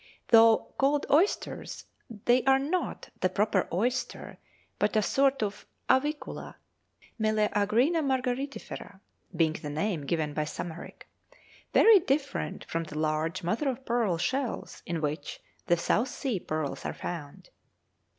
Though called oysters, they are not the proper oyster, but a sort of avicula (Meleagrina margaritifera being the name given by Samarik), very different from the large mother of pearl shells in which the South Sea pearls are found.